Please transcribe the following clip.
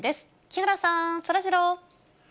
木原さん、そらジロー。